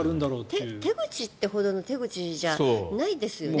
手口ってほどの手口じゃないですよね。